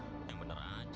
yang bener aja